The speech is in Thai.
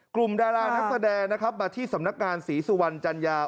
ดารานักแสดงนะครับมาที่สำนักงานศรีสุวรรณจัญญา